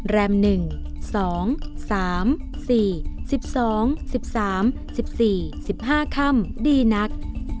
แรมหนึ่งสองสามสี่สิบสองสิบสามสิบสี่สิบห้าค่ำดีนัก